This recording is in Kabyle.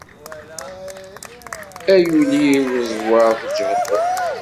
Ay ul-iw ẓwer tǧehdeḍ!